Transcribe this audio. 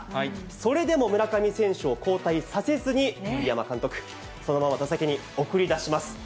それでも村上選手を交代させずに栗山監督、そのまま打席に送り出します。